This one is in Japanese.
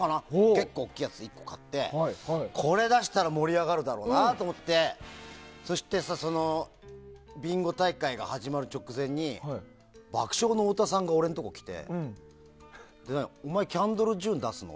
結構大きいやつを１個買ってこれ出したら盛り上がるだろうなと思ってそしてビンゴ大会が始まる直前に爆笑の太田さんが俺のところに来てお前、キャンドル・ジュン出すの？